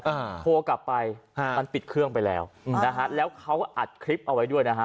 อ่าโทรกลับไปฮะมันปิดเครื่องไปแล้วอืมนะฮะแล้วเขาอัดคลิปเอาไว้ด้วยนะฮะ